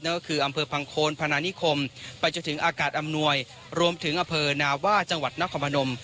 ก็คืออำเภอพังโคนพนานิคมไปจนถึงอากาศอำนวยรวมถึงอำเภอนาว่าจังหวัดนครพนม